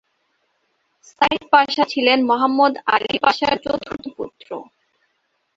Saeed Pasha ছিলেন Muhammad Ali পাশার চতুর্থ পুত্র।